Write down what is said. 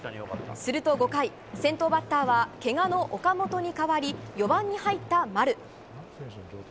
すると５回、先頭バッターはけがの岡本に代わり４番に入った丸。